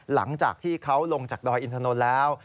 หลังจากที่เขาลงจากดอยอินทนนท์แล้ว